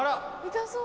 痛そう。